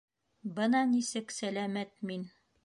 - Бына нисек сәләмәт мин!